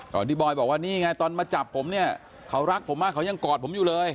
ที่บอยบอกว่านี่ไงตอนมาจับผมเนี่ยเขารักผมมากเขายังกอดผมอยู่เลย